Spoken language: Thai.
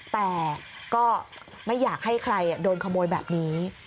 แต่ก็ไม่อยากให้ใครโดนขโมยแบบนี้